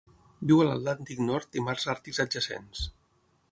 Viu a l'Atlàntic Nord i mars àrtics adjacents.